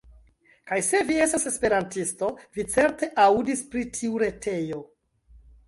Kaj se vi estas Esperantisto, vi certe aŭdis pri tiu retejo.